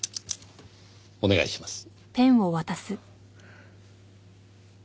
お願いします。